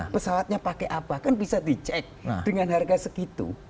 pesawatnya pakai apa kan bisa dicek dengan harga segitu